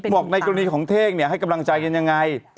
ในกรณีของเท่งให้กำลังใจกันยังไง